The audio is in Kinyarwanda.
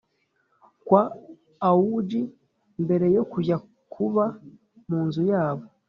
kwa augi mbere yo kujya kuba munzu yabo